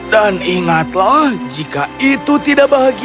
dan ingatlah jika itu tidak berhasil